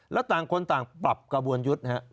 แล้วต่างคนต่างปรับกระบวนยุทธ์